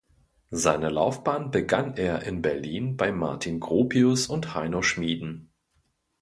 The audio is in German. Seine Laufbahn begann er in Berlin bei Martin Gropius und Heino Schmieden.